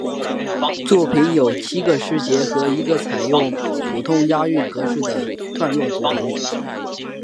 作品由七个诗节和一个采用普通押韵格式的段落组成。